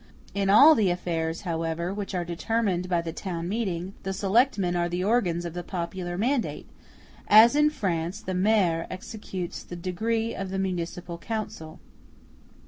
In all the affairs, however, which are determined by the town meeting, the selectmen are the organs of the popular mandate, as in France the Maire executes the decree of the municipal council.